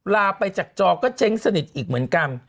ลาไปจากจอก็เจ๊งสนิทอีกเหมือนกัน